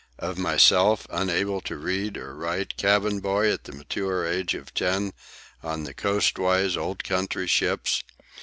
of myself, unable to read or write, cabin boy at the mature age of ten on the coastwise, old country ships?